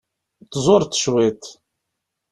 Tzureḍ cwiṭ.